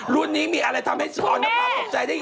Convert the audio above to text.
รุ่นนี้มีอะไรทำให้ออนภาตกใจได้เยอะ